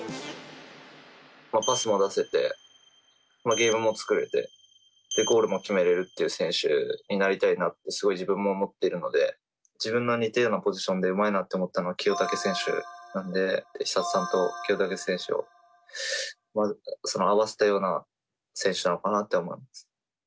パスも出せてゲームも作れてゴールも決めれるっていう選手になりたいなってすごい自分も思ってるので自分の似たようなポジションでうまいなって思ったのが清武選手なんで寿人さんと清武選手を合わせたような選手なのかなって思いますね。